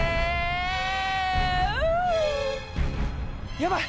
やばい！